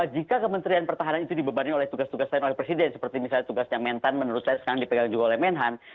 jika kementerian pertahanan itu dibebani oleh tugas tugas lain oleh presiden seperti misalnya tugasnya mentan menurut saya sekarang dipegang juga oleh menhan